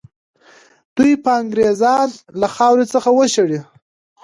دوی به انګرېزان له خاورې څخه وشړي.